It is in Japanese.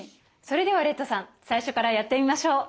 それではレッドさん最初からやってみましょう。